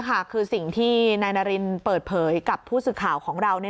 ค่ะคือสิ่งที่นายนารินเปิดเผยกับผู้สื่อข่าวของเรา